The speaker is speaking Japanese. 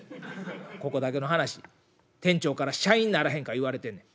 ここだけの話店長から『社員ならへんか』言われてんねん。